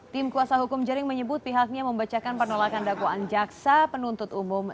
tim kuasa hukum jering menyebut pihaknya membacakan penolakan dakwaan jaksa penuntut umum